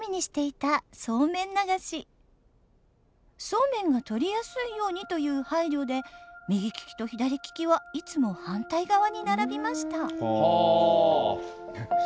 そうめんが取りやすいようにというはいりょで右利きと左利きはいつも反対側に並びました。